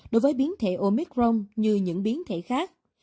đối với biến thể omicron như những biến thể khác